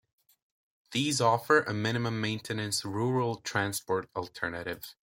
These offer a minimum-maintenance rural transport alternative.